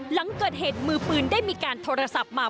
หลังเกิดเหตุมือปืนได้มีการโทรศัพท์มา